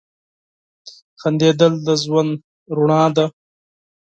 • خندېدل د ژوند رڼا ده.